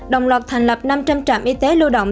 đồng loạt thành lập năm trăm linh trạm y tế lưu động